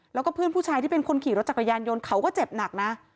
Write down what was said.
แล้วก็เพื่อนผู้ชายที่เป็นคนขี่รถจักรยานยนต์เขาก็เจ็บหนักนะ